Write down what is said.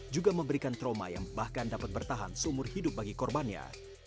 juga memberikan trauma yang bahkan dapat bertahan seumur hidup bagi korbannya